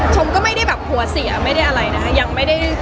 ชมก็ไม่ได้แบบหัวเสียไม่ได้อะไรนะ